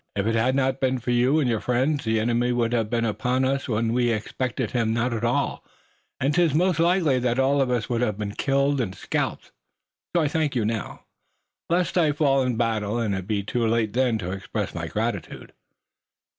"If it had not been for you and your friends the enemy would have been upon us when we expected him not at all, and 'tis most likely that all of us would have been killed and scalped. So, I thank you now, lest I fall in the battle, and it be too late then to express my gratitude."